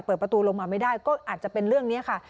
เปิดประตูลงมาไม่ได้ก็อาจจะเป็นเรื่องนี้ค่ะ